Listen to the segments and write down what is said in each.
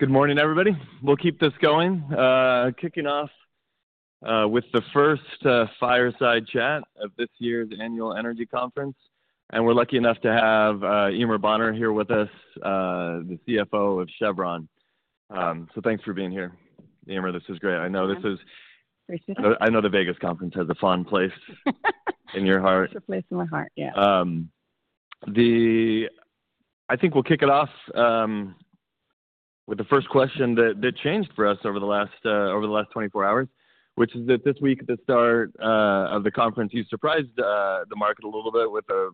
Good morning, everybody. We'll keep this going. Kicking off with the first fireside chat of this year's annual energy conference. And we're lucky enough to have Eimear Bonner here with us, the CFO of Chevron. So thanks for being here. Eimear, this is great. I know this is—I know the Vegas conference has a fond place in your heart. It's a place in my heart, yeah. I think we'll kick it off with the first question that changed for us over the last 24 hours, which is that this week, at the start of the conference, you surprised the market a little bit with a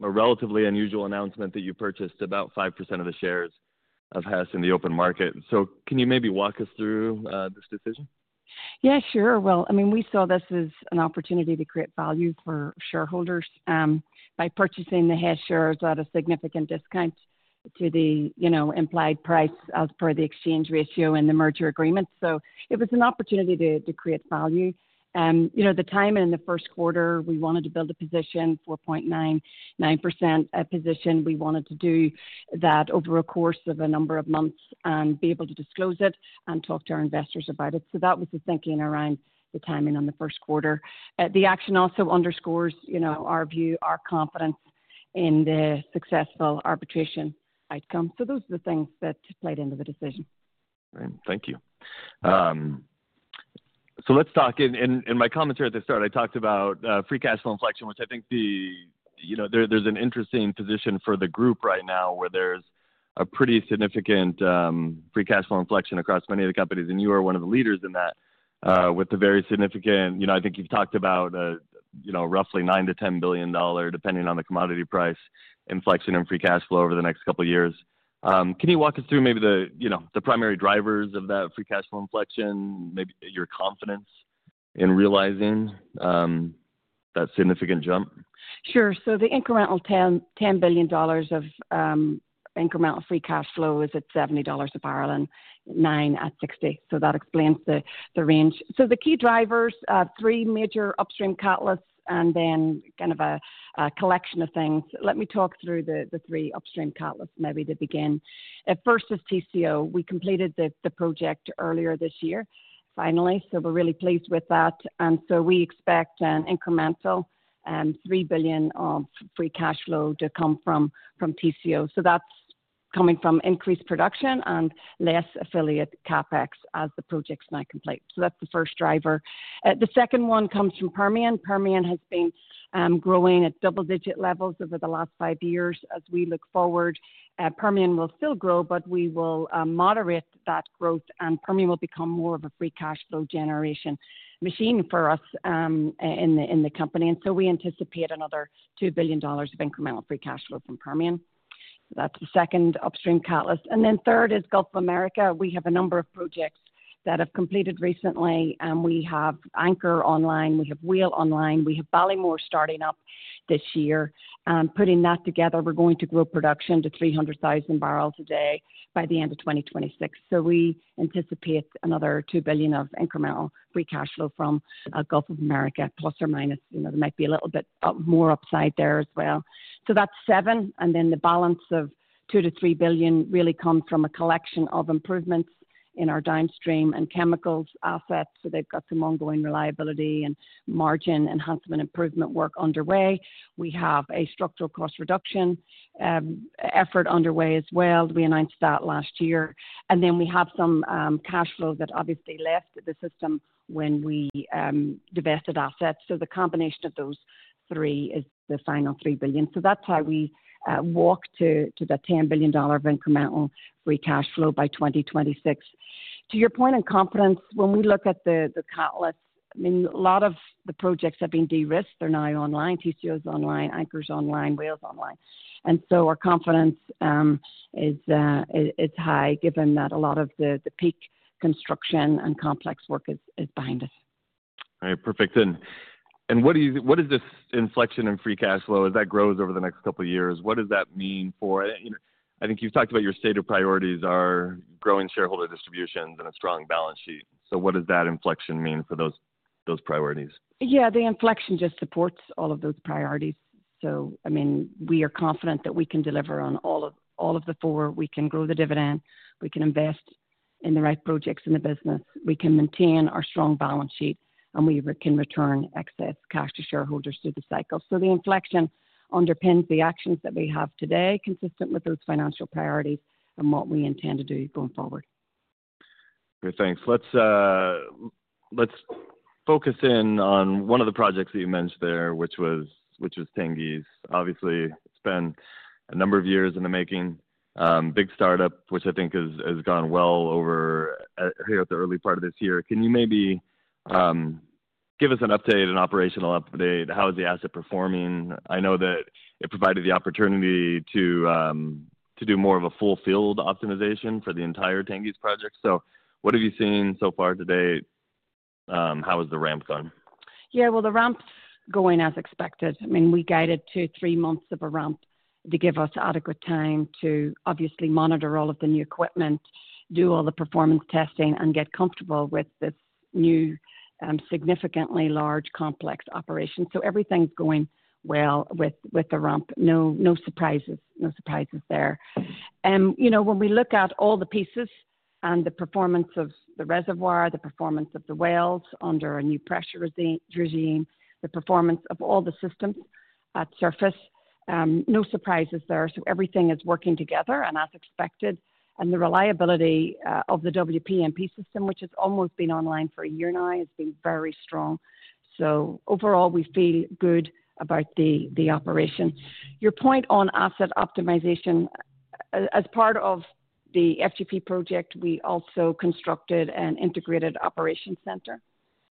relatively unusual announcement that you purchased about 5% of the shares of Hess in the open market. Can you maybe walk us through this decision? Yeah, sure. I mean, we saw this as an opportunity to create value for shareholders, by purchasing the Hess shares at a significant discount to the, you know, implied price as per the exchange ratio and the merger agreement. It was an opportunity to create value. You know, the timing in the first quarter, we wanted to build a position, 4.99%, a position we wanted to do that over a course of a number of months and be able to disclose it and talk to our investors about it. That was the thinking around the timing on the first quarter. The action also underscores, you know, our view, our confidence in the successful arbitration outcome. Those are the things that played into the decision. Great. Thank you. Let's talk—and my commentary at the start, I talked about free cash flow inflection, which I think, you know, there's an interesting position for the group right now where there's a pretty significant free cash flow inflection across many of the companies. You are one of the leaders in that, with the very significant—you know, I think you've talked about a, you know, roughly $9 billion-$10 billion, depending on the commodity price, inflection in free cash flow over the next couple of years. Can you walk us through maybe the, you know, the primary drivers of that free cash flow inflection, maybe your confidence in realizing that significant jump? Sure. The incremental $10 billion of incremental free cash flow is at $70 a barrel and $9 billion at $60. That explains the range. The key drivers are three major upstream catalysts and then kind of a collection of things. Let me talk through the three upstream catalysts maybe to begin. At first, it is TCO. We completed the project earlier this year, finally, so we are really pleased with that. We expect an incremental $3 billion of free cash flow to come from TCO. That is coming from increased production and less affiliate CapEx as the project is now complete. That is the first driver. The second one comes from Permian. Permian has been growing at double-digit levels over the last five years. As we look forward, Permian will still grow, but we will moderate that growth, and Permian will become more of a free cash flow generation machine for us, in the company. We anticipate another $2 billion of incremental free cash flow from Permian. That is the second upstream catalyst. Third is Gulf of America. We have a number of projects that have completed recently, and we have Anchor online. We have Whale online. We have Ballymore starting up this year. Putting that together, we are going to grow production to 300,000 barrels a day by the end of 2026. We anticipate another $2 billion of incremental free cash flow from Gulf of America, plus or minus, you know, there might be a little bit more upside there as well. That is seven. The balance of $2 billion-$3 billion really comes from a collection of improvements in our downstream and chemicals assets. They have some ongoing reliability and margin enhancement improvement work underway. We have a structural cost reduction effort underway as well. We announced that last year. We have some cash flow that obviously left the system when we divested assets. The combination of those three is the final $3 billion. That is how we walk to that $10 billion of incremental free cash flow by 2026. To your point on confidence, when we look at the catalysts, I mean, a lot of the projects have been de-risked. They are now online. TCO is online, Anchor is online, Whale is online. Our confidence is high given that a lot of the peak construction and complex work is behind us. All right. Perfect. What do you—what does this inflection in free cash flow, as that grows over the next couple of years, what does that mean for—you know, I think you've talked about your stated priorities are growing shareholder distributions and a strong balance sheet. What does that inflection mean for those, those priorities? Yeah, the inflection just supports all of those priorities. I mean, we are confident that we can deliver on all of, all of the four. We can grow the dividend. We can invest in the right projects in the business. We can maintain our strong balance sheet, and we can return excess cash to shareholders through the cycle. The inflection underpins the actions that we have today, consistent with those financial priorities and what we intend to do going forward. Great. Thanks. Let's focus in on one of the projects that you mentioned there, which was Tengiz. Obviously, it's been a number of years in the making, big startup, which I think has gone well over here at the early part of this year. Can you maybe give us an update, an operational update? How is the asset performing? I know that it provided the opportunity to do more of a full field optimization for the entire Tengiz project. So what have you seen so far to date? How has the ramp gone? Yeah, the ramp's going as expected. I mean, we guided two, three months of a ramp to give us adequate time to obviously monitor all of the new equipment, do all the performance testing, and get comfortable with this new, significantly large, complex operation. Everything's going well with the ramp. No surprises, no surprises there. You know, when we look at all the pieces and the performance of the reservoir, the performance of the wells under a new pressure regime, the performance of all the systems at surface, no surprises there. Everything is working together and as expected. The reliability of the WPMP system, which has almost been online for a year now, has been very strong. Overall, we feel good about the operation. Your point on asset optimization, as part of the FGP project, we also constructed an integrated operations center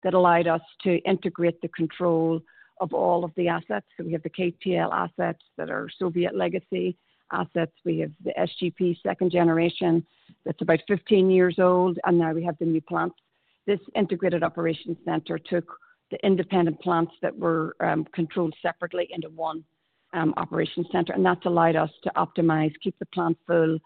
that allowed us to integrate the control of all of the assets. We have the KTL assets that are Soviet legacy assets. We have the SGP second generation that's about 15 years old. Now we have the new plants. This integrated operations center took the independent plants that were controlled separately into one operations center. That has allowed us to optimize, keep the plant full,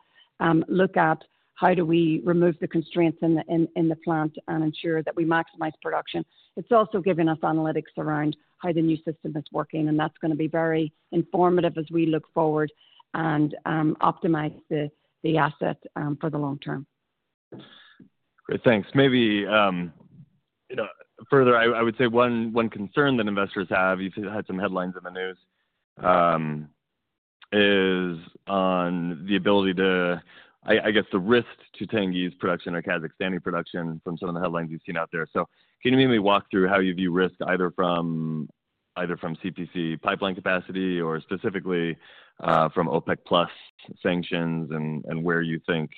look at how do we remove the constraints in the plant and ensure that we maximize production. It's also given us analytics around how the new system is working. That is going to be very informative as we look forward and optimize the asset for the long term. Great. Thanks. Maybe, you know, further, I would say one concern that investors have, you've had some headlines in the news, is on the ability to, I would say, the risk to Tengiz production or Kazakhstan production from some of the headlines you've seen out there. Can you maybe walk through how you view risk either from, either from CPC pipeline capacity or specifically, from OPEC+ sanctions and where you think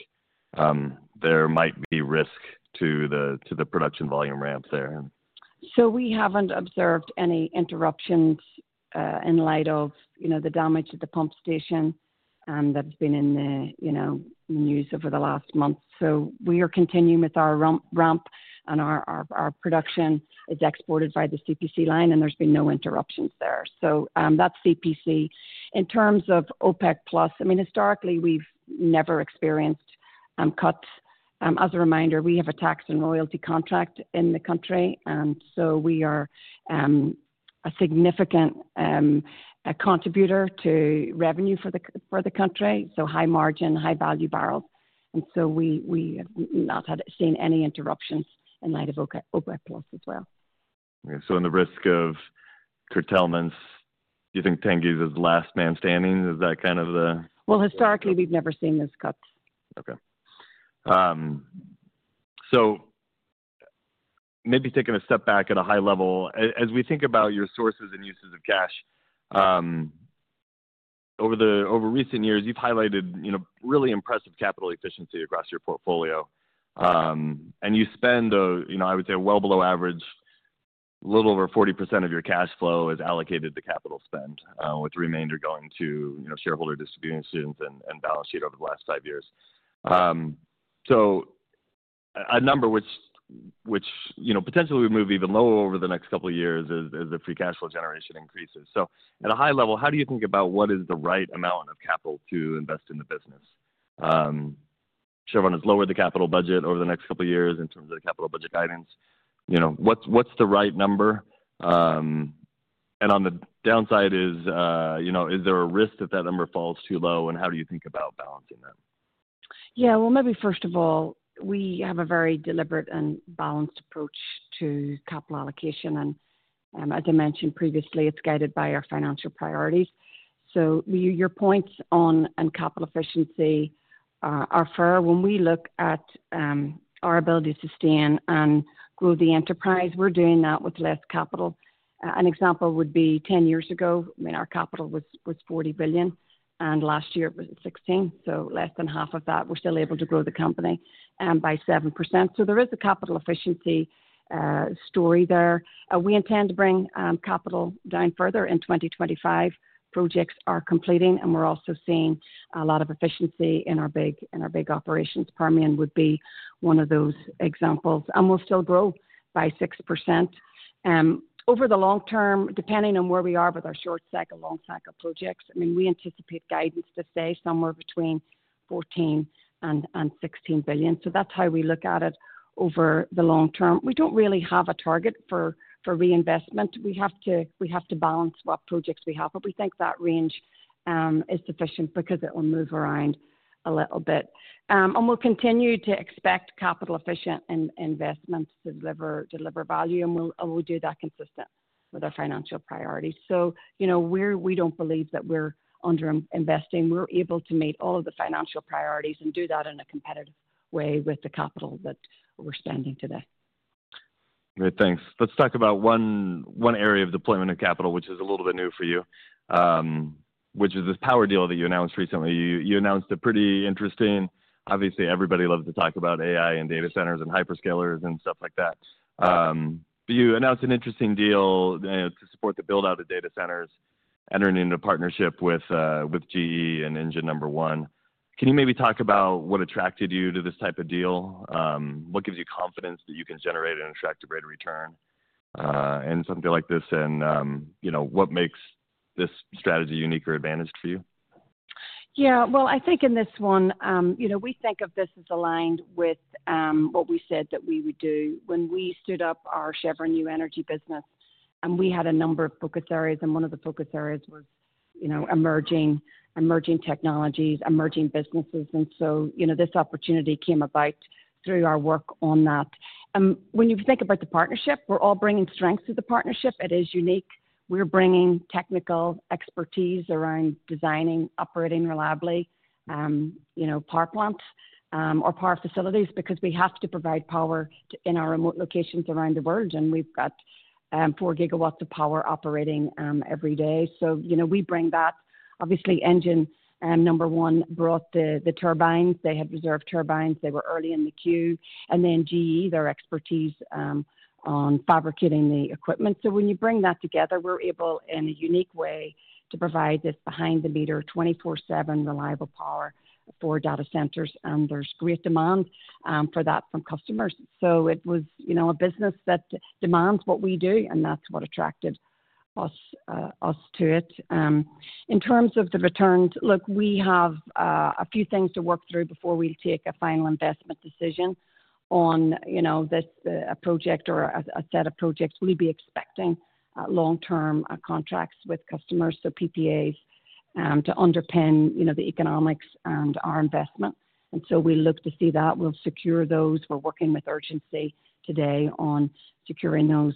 there might be risk to the production volume ramp there? We haven't observed any interruptions, in light of, you know, the damage to the pump station and that's been in the news over the last month. We are continuing with our ramp, and our production is exported by the CPC line, and there's been no interruptions there. That's CPC. In terms of OPEC+, I mean, historically, we've never experienced cuts. As a reminder, we have a tax and royalty contract in the country. We are a significant contributor to revenue for the country. High margin, high value barrels. We have not seen any interruptions in light of OPEC, OPEC+ as well. Okay. In the risk of curtailments, do you think Tengiz is last man standing? Is that kind of the— Historically, we've never seen those cuts. Okay. So maybe taking a step back at a high level, as we think about your sources and uses of cash, over recent years, you've highlighted, you know, really impressive capital efficiency across your portfolio. And you spend, you know, I would say well below average, a little over 40% of your cash flow is allocated to capital spend, with the remainder going to, you know, shareholder distributions and balance sheet over the last five years. So a number which, which, you know, potentially would move even lower over the next couple of years as the free cash flow generation increases. At a high level, how do you think about what is the right amount of capital to invest in the business? Chevron has lowered the capital budget over the next couple of years in terms of the capital budget guidance. You know, what's the right number? On the downside, is there a risk that that number falls too low? How do you think about balancing that? Yeah. Maybe first of all, we have a very deliberate and balanced approach to capital allocation. As I mentioned previously, it's guided by our financial priorities. Your points on capital efficiency are fair. When we look at our ability to sustain and grow the enterprise, we're doing that with less capital. An example would be 10 years ago. I mean, our capital was $40 billion, and last year it was $16 billion. So less than half of that. We're still able to grow the company and by 7%. There is a capital efficiency story there. We intend to bring capital down further in 2025. Projects are completing, and we're also seeing a lot of efficiency in our big operations. Permian would be one of those examples. We'll still grow by 6%. Over the long term, depending on where we are with our short cycle, long cycle projects, I mean, we anticipate guidance to stay somewhere between $14 billion and $16 billion. That is how we look at it over the long term. We do not really have a target for reinvestment. We have to balance what projects we have, but we think that range is sufficient because it will move around a little bit. We will continue to expect capital efficient investments to deliver value. We will do that consistent with our financial priorities. You know, we do not believe that we are under-investing. We are able to meet all of the financial priorities and do that in a competitive way with the capital that we are spending today. Great. Thanks. Let's talk about one area of deployment of capital, which is a little bit new for you, which is this power deal that you announced recently. You announced a pretty interesting, obviously, everybody loves to talk about AI and data centers and hyperscalers and stuff like that. You announced an interesting deal, you know, to support the buildout of data centers, entering into partnership with GE and Engine No. 1. Can you maybe talk about what attracted you to this type of deal? What gives you confidence that you can generate an attractive rate of return in something like this? You know, what makes this strategy unique or advantaged for you? Yeah. I think in this one, you know, we think of this as aligned with what we said that we would do when we stood up our Chevron New Energy business. We had a number of focus areas, and one of the focus areas was, you know, emerging, emerging technologies, emerging businesses. You know, this opportunity came about through our work on that. When you think about the partnership, we're all bringing strengths to the partnership. It is unique. We're bringing technical expertise around designing, operating reliably, you know, power plants, or power facilities because we have to provide power in our remote locations around the world. We've got 4 gigawatts of power operating every day. You know, we bring that. Obviously, Engine No. 1 brought the turbines. They had reserve turbines. They were early in the queue. GE, their expertise, on fabricating the equipment. When you bring that together, we're able in a unique way to provide this behind-the-meter 24/7 reliable power for data centers. There's great demand for that from customers. It was, you know, a business that demands what we do, and that's what attracted us to it. In terms of the returns, look, we have a few things to work through before we take a final investment decision on, you know, this project or a set of projects. We'll be expecting long-term contracts with customers, so PPAs, to underpin, you know, the economics and our investment. We look to see that. We'll secure those. We're working with urgency today on securing those.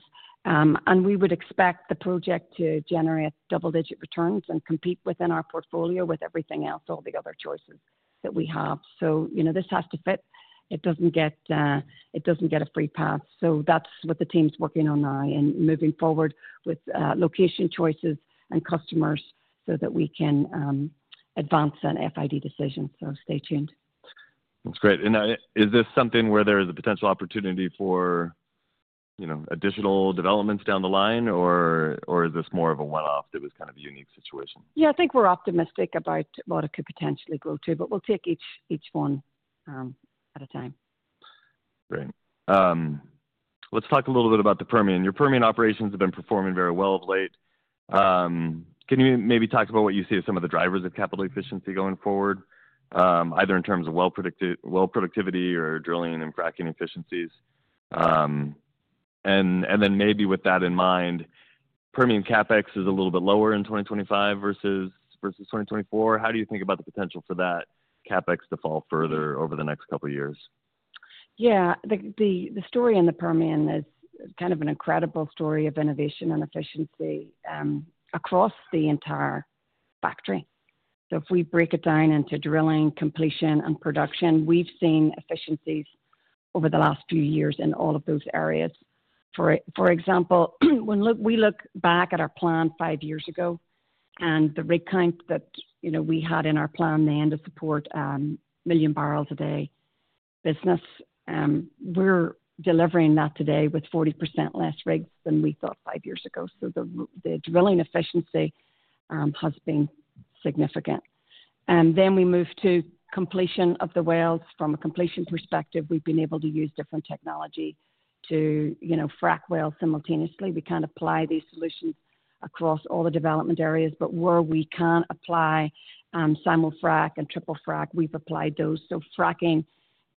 We would expect the project to generate double-digit returns and compete within our portfolio with everything else, all the other choices that we have. You know, this has to fit. It doesn't get, it doesn't get a free pass. That's what the team's working on now and moving forward with, location choices and customers so that we can advance an FID decision. Stay tuned. That's great. Is this something where there is a potential opportunity for, you know, additional developments down the line, or is this more of a one-off that was kind of a unique situation? Yeah, I think we're optimistic about what it could potentially grow to, but we'll take each one at a time. Great. Let's talk a little bit about the Permian. Your Permian operations have been performing very well of late. Can you maybe talk about what you see as some of the drivers of capital efficiency going forward, either in terms of well-productivity or drilling and cracking efficiencies? And then maybe with that in mind, Permian CapEx is a little bit lower in 2025 versus 2024. How do you think about the potential for that CapEx to fall further over the next couple of years? Yeah. The story in the Permian is kind of an incredible story of innovation and efficiency, across the entire factory. If we break it down into drilling, completion, and production, we've seen efficiencies over the last few years in all of those areas. For example, when we look back at our plan five years ago and the rig count that, you know, we had in our plan, the end of support, million barrels a day business, we're delivering that today with 40% less rigs than we thought five years ago. The drilling efficiency has been significant. Then we move to completion of the wells. From a completion perspective, we've been able to use different technology to, you know, frack wells simultaneously. We can apply these solutions across all the development areas, but where we can apply simul-frac and triple frac, we've applied those. Fracking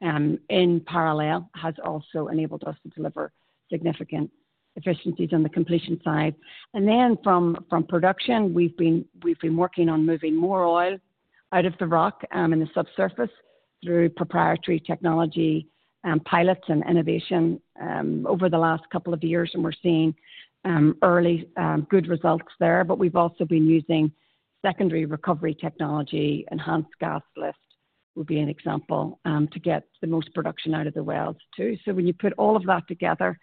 in parallel has also enabled us to deliver significant efficiencies on the completion side. From production, we've been working on moving more oil out of the rock in the subsurface through proprietary technology, pilots, and innovation over the last couple of years. We're seeing early, good results there. We've also been using secondary recovery technology; enhanced gas lift would be an example, to get the most production out of the wells too. When you put all of that together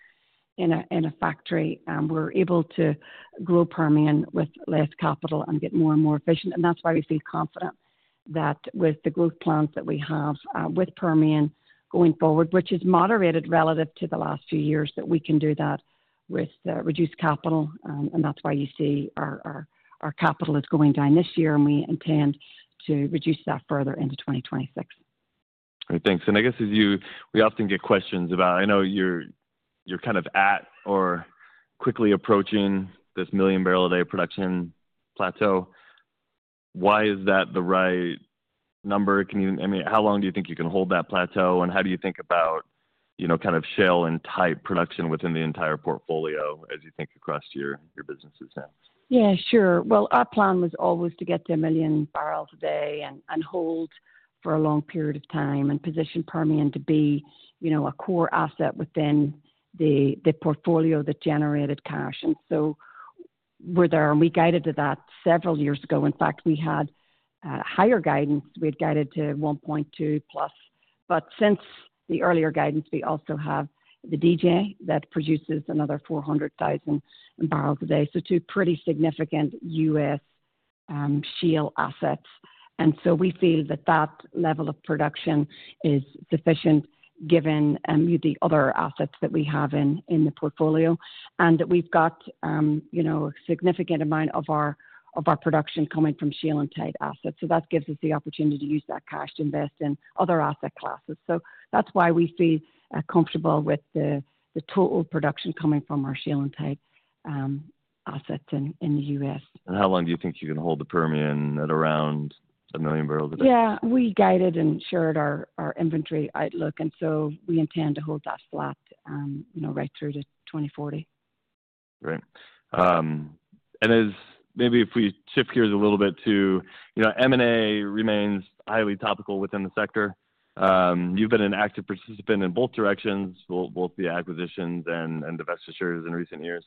in a factory, we're able to grow Permian with less capital and get more and more efficient. That is why we feel confident that with the growth plans that we have, with Permian going forward, which is moderated relative to the last few years, we can do that with reduced capital. That is why you see our capital is going down this year. We intend to reduce that further into 2026. Great. Thanks. I guess as you, we often get questions about, I know you're, you're kind of at or quickly approaching this million barrel a day production plateau. Why is that the right number? Can you, I mean, how long do you think you can hold that plateau? How do you think about, you know, kind of shale and tight production within the entire portfolio as you think across your businesses now? Yeah, sure. Our plan was always to get to a million barrels a day and hold for a long period of time and position Permian to be, you know, a core asset within the portfolio that generated cash. We are there, and we guided to that several years ago. In fact, we had higher guidance. We had guided to 1.2+. Since the earlier guidance, we also have the DJ that produces another 400,000 barrels a day. Two pretty significant US shale assets. We feel that that level of production is sufficient given the other assets that we have in the portfolio and that we have, you know, a significant amount of our production coming from shale and tight assets. That gives us the opportunity to use that cash to invest in other asset classes. That's why we feel comfortable with the total production coming from our shale and tight assets in the U.S. How long do you think you can hold the Permian at around a million barrels a day? Yeah. We guided and shared our, our inventory outlook. We intend to hold that flat, you know, right through to 2040. Great. As maybe if we shift gears a little bit to, you know, M&A remains highly topical within the sector. You've been an active participant in both directions, both the acquisitions and the divestitures in recent years.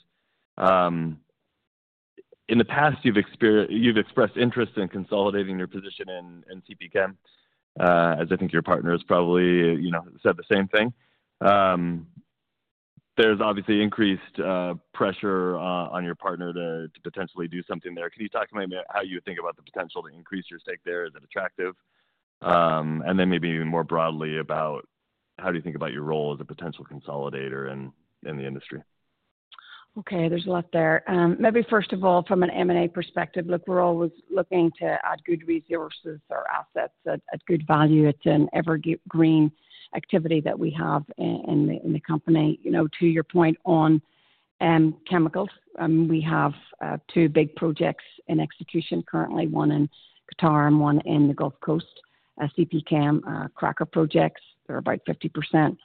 In the past, you've expressed interest in consolidating your position in CPChem, as I think your partner has probably, you know, said the same thing. There's obviously increased pressure on your partner to potentially do something there. Can you talk to me about how you would think about the potential to increase your stake there? Is it attractive? And then maybe even more broadly about how do you think about your role as a potential consolidator in the industry? Okay. There's a lot there. Maybe first of all, from an M&A perspective, look, we're always looking to add good resources or assets at good value. It's an evergreen activity that we have in the company. You know, to your point on chemicals, we have two big projects in execution currently, one in Qatar and one in the Gulf Coast, CPChem, cracker projects. They're about 50%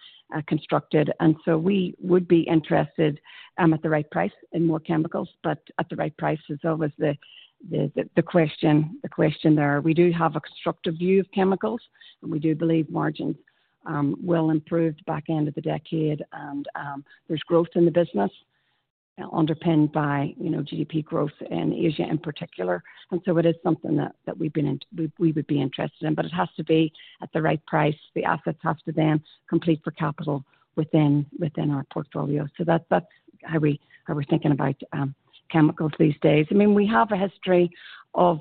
constructed. We would be interested, at the right price, in more chemicals, but at the right price is always the question there. We do have a constructive view of chemicals, and we do believe margins will improve back end of the decade. There's growth in the business underpinned by, you know, GDP growth in Asia in particular. It is something that we've been in, we would be interested in, but it has to be at the right price. The assets have to then compete for capital within our portfolio. That is how we're thinking about chemicals these days. I mean, we have a history of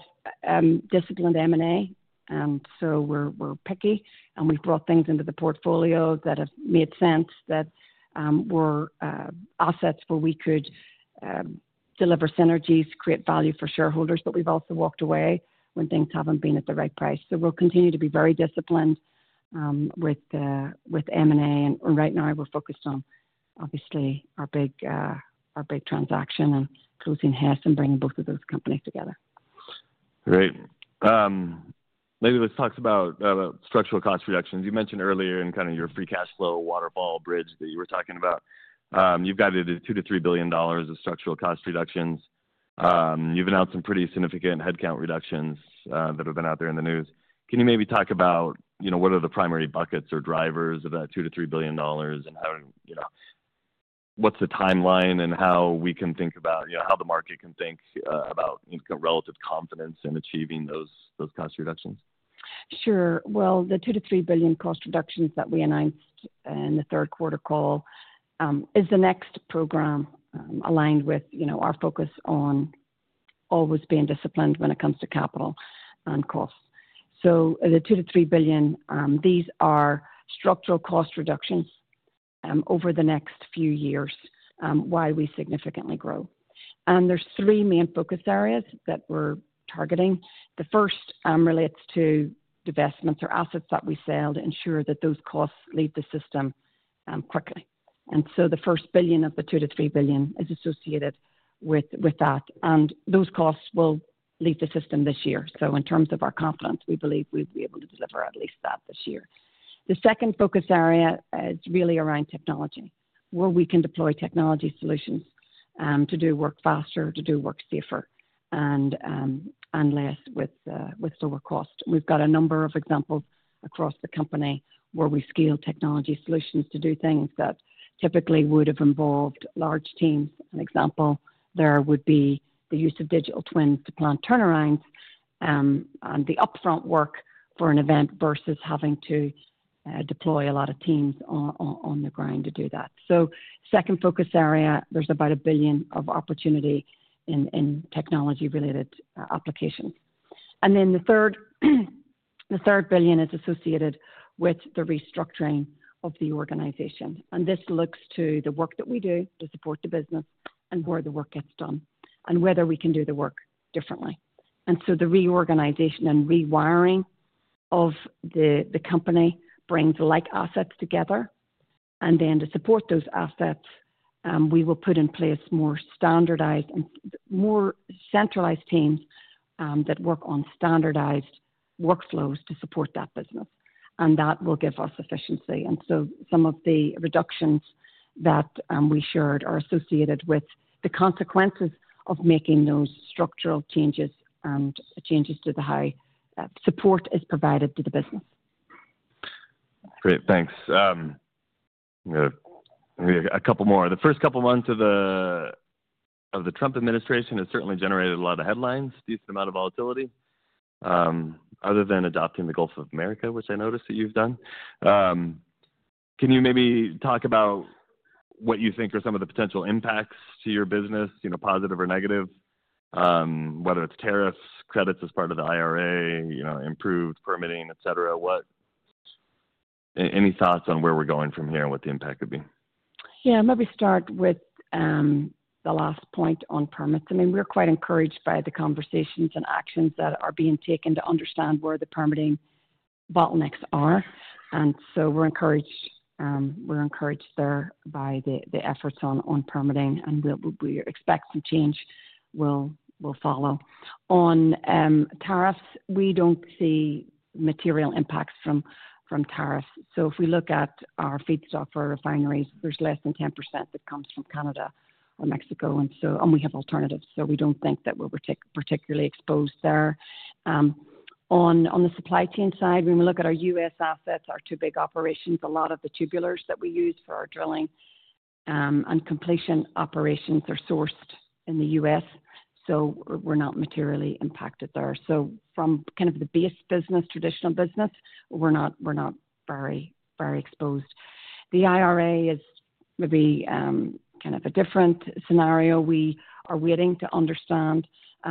disciplined M&A. We're picky, and we've brought things into the portfolio that have made sense, that were assets where we could deliver synergies, create value for shareholders. We've also walked away when things have not been at the right price. We will continue to be very disciplined with M&A. Right now, we're focused on, obviously, our big transaction and closing Hess and bringing both of those companies together. Great. Maybe let's talk about structural cost reductions. You mentioned earlier in kind of your free cash flow waterfall bridge that you were talking about. You've guided to $2 billion-$3 billion of structural cost reductions. You've announced some pretty significant headcount reductions that have been out there in the news. Can you maybe talk about, you know, what are the primary buckets or drivers of that $2 billion-$3 billion and how, you know, what's the timeline and how we can think about, you know, how the market can think about, you know, relative confidence in achieving those cost reductions? Sure. The $2 billion-$3 billion cost reductions that we announced in the third quarter call is the next program, aligned with, you know, our focus on always being disciplined when it comes to capital and costs. The $2 billion-$3 billion, these are structural cost reductions, over the next few years, while we significantly grow. There are three main focus areas that we're targeting. The first relates to divestments or assets that we sell to ensure that those costs leave the system quickly. The first billion of the $2 billion-$3 billion is associated with that. Those costs will leave the system this year. In terms of our confidence, we believe we'll be able to deliver at least that this year. The second focus area is really around technology, where we can deploy technology solutions to do work faster, to do work safer, and less with lower cost. We've got a number of examples across the company where we scale technology solutions to do things that typically would have involved large teams. An example there would be the use of digital twins to plan turnarounds, and the upfront work for an event versus having to deploy a lot of teams on the ground to do that. The second focus area, there's about $1 billion of opportunity in technology-related applications. The third billion is associated with the restructuring of the organization. This looks to the work that we do to support the business and where the work gets done and whether we can do the work differently. The reorganization and rewiring of the company brings like assets together. To support those assets, we will put in place more standardized and more centralized teams that work on standardized workflows to support that business. That will give us efficiency. Some of the reductions that we shared are associated with the consequences of making those structural changes and changes to how support is provided to the business. Great. Thanks. We have a couple more. The first couple of months of the Trump administration has certainly generated a lot of headlines, decent amount of volatility. Other than adopting the Gulf of America, which I noticed that you've done, can you maybe talk about what you think are some of the potential impacts to your business, you know, positive or negative, whether it's tariffs, credits as part of the IRA, you know, improved permitting, et cetera? What, any thoughts on where we're going from here and what the impact could be? Yeah. Maybe start with the last point on permits. I mean, we're quite encouraged by the conversations and actions that are being taken to understand where the permitting bottlenecks are. We're encouraged, we're encouraged there by the efforts on permitting. We expect some change will follow. On tariffs, we don't see material impacts from tariffs. If we look at our feedstock for refineries, there's less than 10% that comes from Canada or Mexico. We have alternatives. We don't think that we're particularly exposed there. On the supply chain side, when we look at our US assets, our two big operations, a lot of the tubulars that we use for our drilling and completion operations are sourced in the U.S. We're not materially impacted there. From kind of the base business, traditional business, we're not, we're not very, very exposed. The IRA is maybe, kind of a different scenario. We are waiting to understand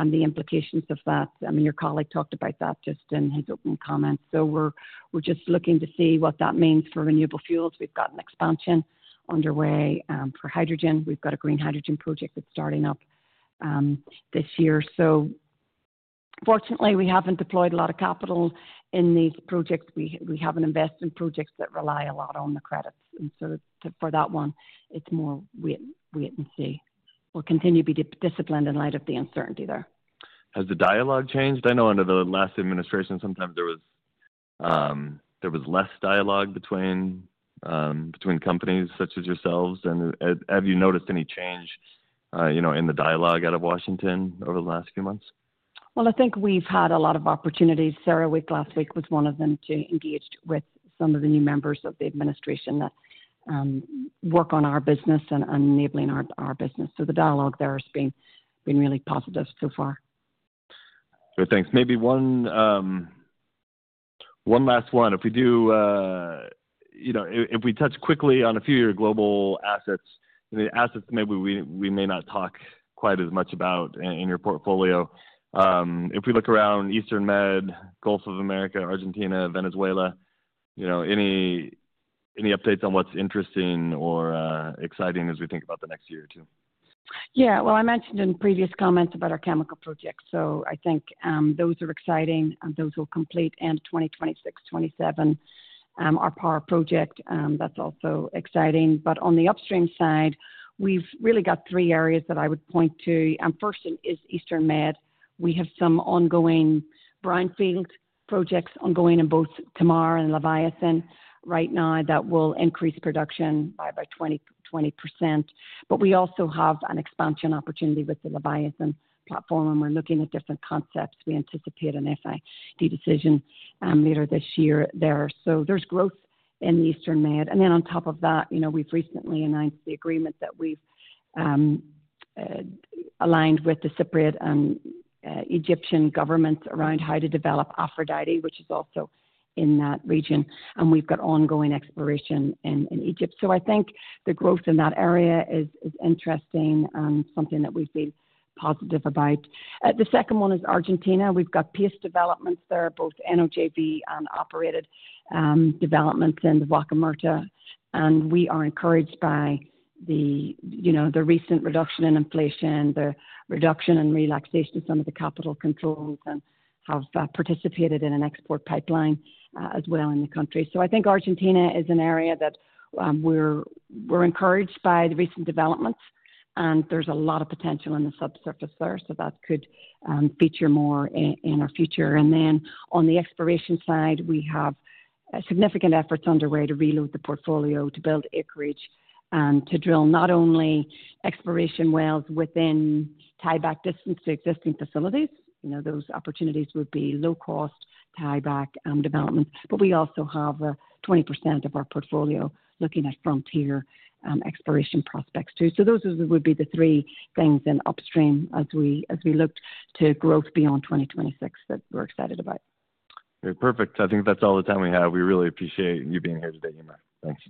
the implications of that. I mean, your colleague talked about that just in his open comments. We're just looking to see what that means for renewable fuels. We've got an expansion underway for hydrogen. We've got a green hydrogen project that's starting up this year. Fortunately, we haven't deployed a lot of capital in these projects. We haven't invested in projects that rely a lot on the credits. For that one, it's more wait and see. We'll continue to be disciplined in light of the uncertainty there. Has the dialogue changed? I know under the last administration, sometimes there was less dialogue between companies such as yourselves. Have you noticed any change, you know, in the dialogue out of Washington over the last few months? I think we've had a lot of opportunities. CERAWeek last week was one of them to engage with some of the new members of the administration that work on our business and enabling our business. The dialogue there has been really positive so far. Great. Thanks. Maybe one, one last one. If we do, you know, if we touch quickly on a few of your global assets, I mean, assets maybe we, we may not talk quite as much about in, in your portfolio. If we look around Eastern Med, Gulf of America, Argentina, Venezuela, you know, any, any updates on what's interesting or, exciting as we think about the next year or two? Yeah. I mentioned in previous comments about our chemical projects. I think those are exciting. Those will complete end 2026, 2027, our power project. That's also exciting. On the upstream side, we've really got three areas that I would point to. First is Eastern Med. We have some ongoing brownfield projects ongoing in both Tamar and Leviathan right now that will increase production by 20%. We also have an expansion opportunity with the Leviathan platform, and we're looking at different concepts. We anticipate an FID decision later this year there. There is growth in Eastern Med. On top of that, you know, we've recently announced the agreement that we've aligned with the Cypriot and Egyptian governments around how to develop Aphrodite, which is also in that region. We've got ongoing exploration in Egypt. I think the growth in that area is interesting and something that we've been positive about. The second one is Argentina. We've got piece developments there, both NOJV and operated, developments in the Vaca Muerta. We are encouraged by the, you know, the recent reduction in inflation, the reduction and relaxation of some of the capital controls, and have participated in an export pipeline as well in the country. I think Argentina is an area that we're encouraged by the recent developments, and there's a lot of potential in the subsurface there. That could feature more in our future. On the exploration side, we have significant efforts underway to reload the portfolio, to build acreage, and to drill not only exploration wells within tieback distance to existing facilities. You know, those opportunities would be low-cost tieback developments. We also have 20% of our portfolio looking at frontier, exploration prospects too. Those would be the three things in upstream as we, as we looked to growth beyond 2026 that we're excited about. Perfect. I think that's all the time we have. We really appreciate you being here today, Eimear. Thanks.